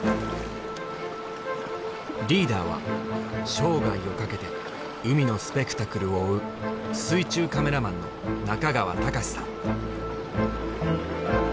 リーダーは生涯をかけて海のスペクタクルを追う水中カメラマンの中川隆さん。